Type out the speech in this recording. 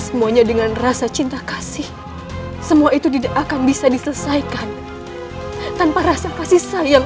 semuanya dengan rasa cinta kasih semua itu tidak akan bisa diselesaikan tanpa rasa kasih sayang